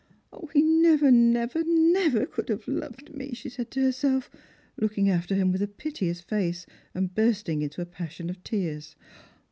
" He never, never, never could have loved me," she said to her self, looking after him with a piteous face, and bursting into a passion of tears.